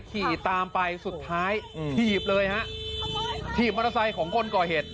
ขี่ตามไปสุดท้ายถีบเลยฮะถีบมอเตอร์ไซค์ของคนก่อเหตุ